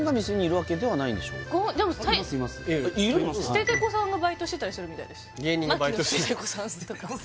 ステテコさんがバイトしてたりするみたいです